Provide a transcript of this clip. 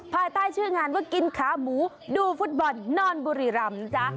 ภายใต้ชื่องานว่ากินขาหมูดูฟุตบอลนอนบุรีรำนะจ๊ะ